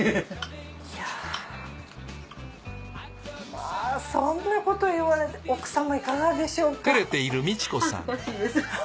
まあそんなこと言われて奥様いかがでしょうか。